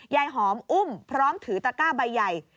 ยายหอมอุ้มพร้อมถือตะก้าใบใหญ่